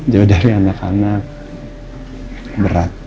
jauh dari anak anak berat